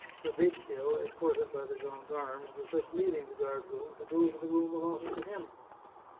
Fabrizio, escorted by the gendarmes, was just leaving the guard room to go to the room allotted to him.